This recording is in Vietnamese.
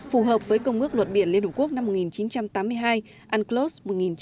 phù hợp với công ước luật biển liên hợp quốc năm một nghìn chín trăm tám mươi hai unclos một nghìn chín trăm tám mươi hai